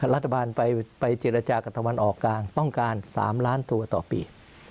รัฐบาลไปเจรจากับตะวันออกกลางต้องการ๓ล้านตัวต่อปี